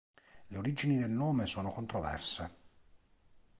Le origini del nome sono controverse.